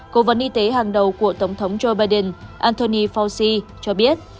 cổ vấn y tế hàng đầu của tổng thống joe biden anthony fauci cho biết